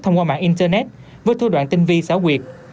thông qua mạng internet với thua đoạn tinh vi xáo quyệt